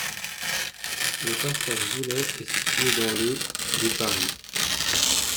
Le passage Boulay est situé dans le de Paris.